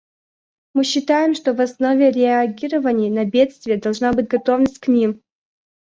Мы считаем, что в основе реагирования на бедствия должна быть готовность к ним.